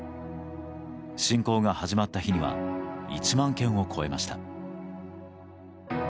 侵攻が始まった日には１万件を超えました。